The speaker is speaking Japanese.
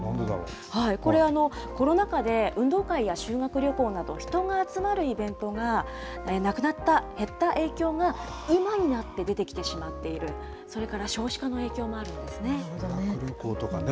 これ、コロナ禍で運動会や修学旅行など人が集まるイベントがなくなった、減った影響が、今になって出てきてしまっている、それから少子化の影響もあるんでなるほどね。